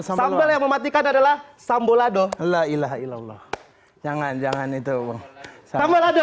sambal yang mematikan adalah sambol adoh la ilaha illallah jangan jangan itu sambal adoh